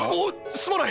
⁉すまない！